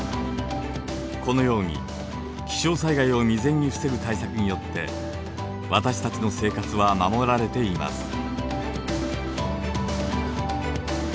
このように気象災害を未然に防ぐ対策によって私たちの生活は守られています。